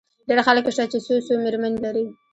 ډېر خلک شته، چي څو څو مېرمنې لري.